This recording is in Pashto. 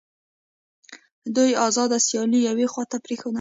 دوی آزاده سیالي یوې خواته پرېښوده